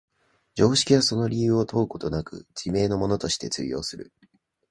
常識はその理由を問うことなく、自明のものとして通用する。